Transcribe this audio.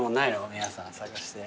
皆さん探して。